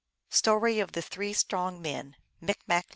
STORY OF THE THREE STRONG MEN. (Micmac.)